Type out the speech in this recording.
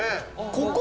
ここ？